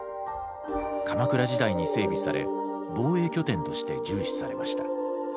鎌倉時代に整備され防衛拠点として重視されました。